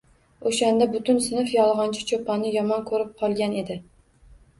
O‘shanda butun sinf yolg‘onchi cho‘ponni yomon ko‘rib qolgan edi